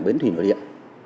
bến thủy nội điện